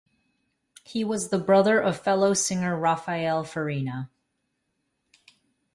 He was the brother of fellow singer Rafael Farina.